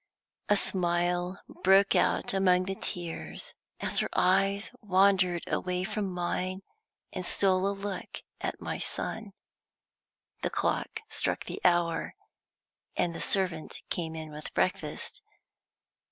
A smile broke out among the tears as her eyes wandered away from mine and stole a look at my son. The clock struck the hour, and the servant came in with breakfast.